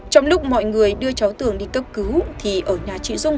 trong lúc mọi người đưa cháu tường đi cấp cứu thì ở nhà chị dung